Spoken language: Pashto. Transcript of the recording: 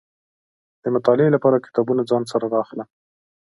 د مطالعې لپاره کتابونه ځان سره را اخلم.